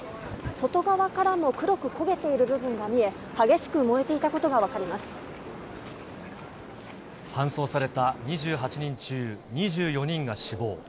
外側からも黒く焦げている部分が見え、激しく燃えていたことが分搬送された２８人中２４人が死亡。